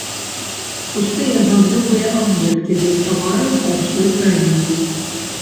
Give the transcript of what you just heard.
Пустыя гандлёвыя аб'екты без тавараў па ўсёй краіне.